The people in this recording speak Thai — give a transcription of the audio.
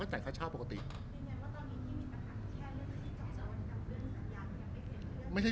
รูปนั้นผมก็เป็นคนถ่ายเองเคลียร์กับเรา